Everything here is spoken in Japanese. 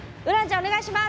お願いします。